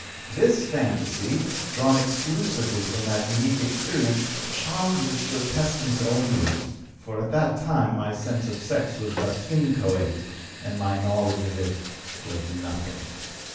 This fantasy, drawn exclusively from that unique experience, charmed with its grotesqueness only, for at that time my sense of sex was but inchoate and my knowledge of it was nothing.